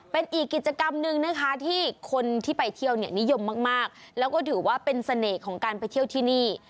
เป็นอีกกิจกรรมหนึ่งนะคะที่คนที่ไปเที่ยวเนี่ยนิยมมากแล้วก็ถือว่าเป็นเสน่ห์ของการไปเที่ยวที่นี่